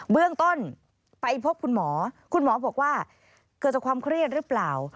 เบื้องต้นไปพบคุณหมอคุณหมอบอกว่าเกิดจากความเครียดหรือเปล่า